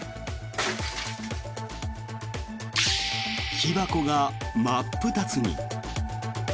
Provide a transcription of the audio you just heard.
木箱が真っ二つに。